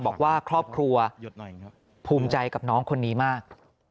บอกว่าครอบครัวภูมิใจกับน้องคนนี้มาก